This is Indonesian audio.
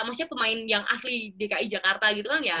maksudnya pemain yang asli dki jakarta gitu kan ya